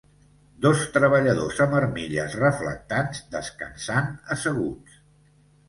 Dos treballadors amb armilles reflectants descansant asseguts.